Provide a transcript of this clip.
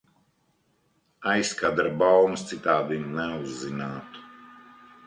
Aizkadra baumas citādi neuzzinātu.